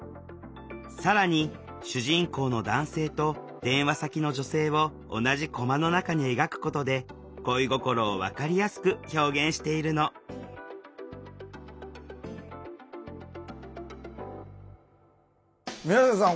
更に主人公の男性と電話先の女性を同じコマの中に描くことで恋心を分かりやすく表現しているの宮下さん